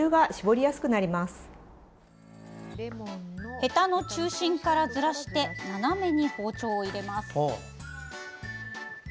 へたの中心からずらして斜めに包丁を入れます。